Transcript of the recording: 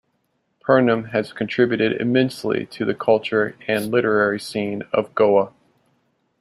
Pernem has contributed immensely to the cultural and literary scene of Goa.